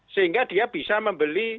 sehingga dia bisa membeli